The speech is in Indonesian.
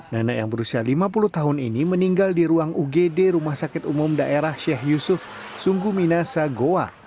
nenek yang berusia lima puluh tahun ini meninggal di ruang ugd rumah sakit umum daerah sheikh yusuf sungguh minasa goa